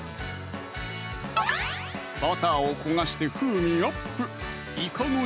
バターを焦がして風味アップ